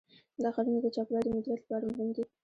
دا ښارونه د چاپیریال د مدیریت لپاره مهم دي.